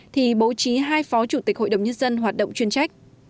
thì bố trí hai phó chủ tịch hội đồng nhân dân hoạt động chuyên trách